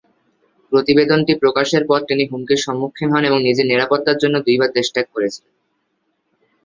প্রতিবেদনটি প্রকাশের পর তিনি হুমকির সম্মুখীন হন এবং নিজের নিরাপত্তার জন্য দুইবার দেশত্যাগ করেছিলেন।